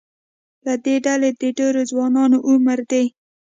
له دې ډلې د ډېرو ځوانانو عمر د